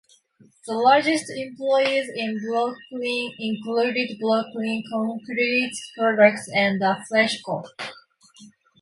The largest employers in Brooklin include Brooklin Concrete Products and a FreshCo.